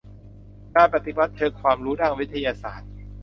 การปฏิวัติเชิงความรู้ด้านวิทยาศาสตร์